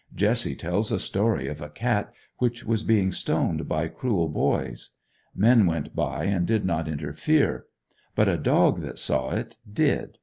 Jesse tells a story of a cat which was being stoned by cruel boys. Men went by, and did not interfere; but a dog, that saw it, did.